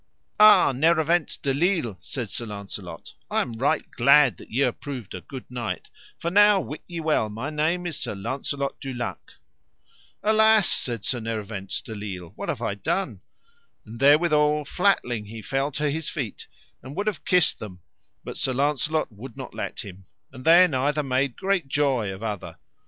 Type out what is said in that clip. Ah, Nerovens de Lile, said Sir Launcelot, I am right glad that ye are proved a good knight, for now wit ye well my name is Sir Launcelot du Lake. Alas, said Sir Nerovens de Lile, what have I done! And therewithal flatling he fell to his feet, and would have kissed them, but Sir Launcelot would not let him; and then either made great joy of other.